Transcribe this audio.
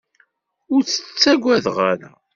Ur tt-ttagadeɣ ara.